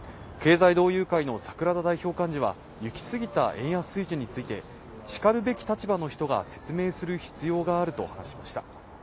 経済同友会の櫻田代表幹事は、行き過ぎた円安水準についてしかるべき立場の人が説明する必要があると話しました。